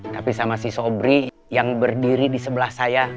tapi sama si sobri yang berdiri di sebelah saya